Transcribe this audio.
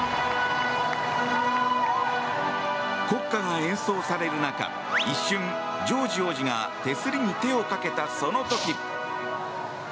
国歌が演奏される中、一瞬ジョージ王子が手すりに手をかけた、その時。